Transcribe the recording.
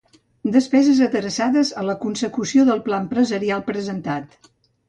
Despeses adreçades a la consecució del pla empresarial presentat.